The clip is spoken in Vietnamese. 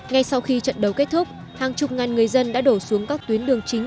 ngay sau khi trận đấu kết thúc hàng chục ngàn người dân đã đổ xuống các tuyến đường chính